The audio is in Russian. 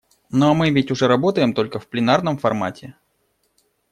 Ну а мы ведь уже работаем только в пленарном формате.